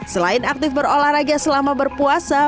selain aktif berolahraga selama berpuasa